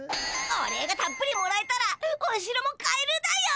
お礼がたっぷりもらえたらおしろも買えるだよ。